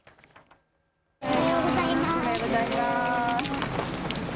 おはようございます。